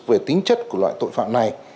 về tính chất của loại tội phạm này